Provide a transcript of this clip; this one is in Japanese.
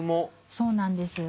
そうなんです。